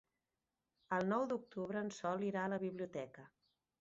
El nou d'octubre en Sol irà a la biblioteca.